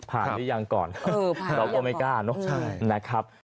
ผ่านที่ยังก่อนรับโอเมก้าเนอะ